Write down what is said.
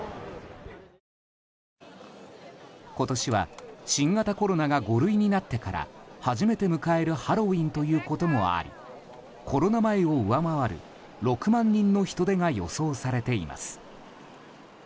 今年は新型コロナが５類になってから初めて迎えるハロウィーンということもありコロナ前を上回る６万人の人出が予想されています。